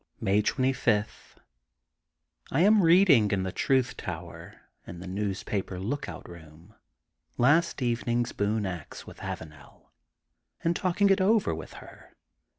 May 25 :— ^I am reading in the Truth Tower, in the newspaper lookout room, last even ing *s Boone Ax with Avanel and talking it over with her.